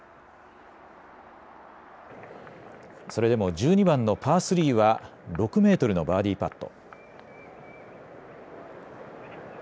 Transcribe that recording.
それでも１２番のパースリーは６メートルのバーディーパット。